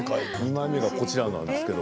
２枚目がこちらです。